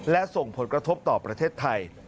และส่งผลกระทบต่อประเทศไทย